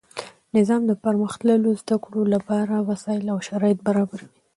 نظام د پرمختللو زده کړو له پاره وسائل او شرایط برابروي.